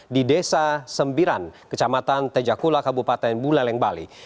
di desa sembiran kecamatan tejakula kabupaten buleleng bali